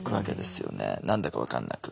何だか分かんなく。